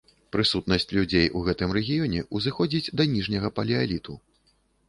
Прысутнасць людзей у гэтым рэгіёне ўзыходзіць да ніжняга палеаліту.